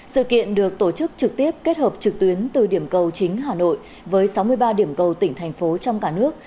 sự kiện được tổ chức trực tiếp kết hợp trực tuyến từ điểm cầu chính hà nội với sáu mươi ba điểm cầu tỉnh thành phố trong cả nước